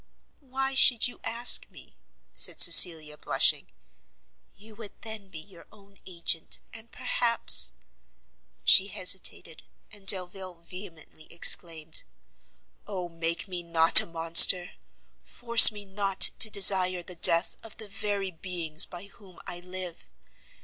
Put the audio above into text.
"Why should you ask me?" said Cecilia, blushing; "you would then be your own agent, and perhaps " She hesitated, and Delvile vehemently exclaimed, "Oh make me not a monster! force me not to desire the death of the very beings by whom I live!